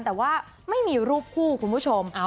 แต่ว่าไม่มีรูปคู่คุณผู้ชม